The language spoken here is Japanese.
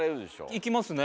行きますね。